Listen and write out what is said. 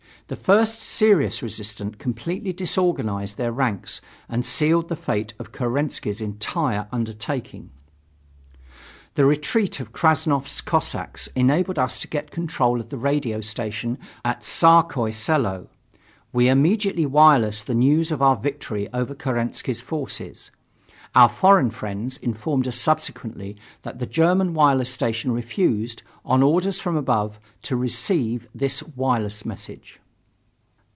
The first serious resistance completely disorganized their ranks and sealed the fate of Kerensky's entire undertaking. The retreat of Krassnov's Cossacks enabled us to get control of the radio station at Tsarskoye Selo. We immediately wirelessed the news of our victory over Kerensky's forces. Our foreign friends informed us subsequently that the German wireless station refused, on orders from above, to receive this wireless message.